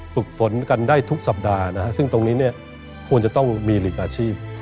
ฝึกฝนกันได้ทุกสัปดาห์นะฮะซึ่งตรงนี้เนี่ยควรจะต้องมีหลีกอาชีพ